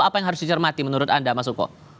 apa yang harus dicermati menurut anda mas suko